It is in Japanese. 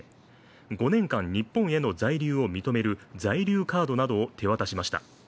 ５年間日本への在留を認める在留カードなどを手渡しました。